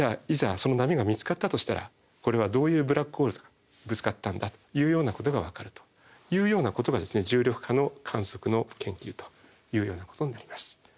その波が見つかったとしたらこれはどういうブラックホールがぶつかったんだというようなことがわかるというようなことが重力波の観測の研究というようなことになります。